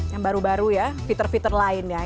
yang baru baru ya fitur fitur lain ya